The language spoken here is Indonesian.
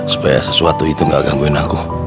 supaya sesuatu itu gak gangguin aku